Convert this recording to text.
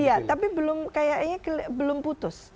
iya tapi belum kayaknya belum putus